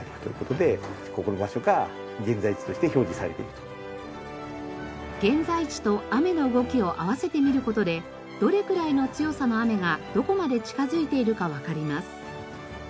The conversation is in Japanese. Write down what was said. まさしく今現在地と雨の動きを合わせて見る事でどれくらいの強さの雨がどこまで近づいているかわかります。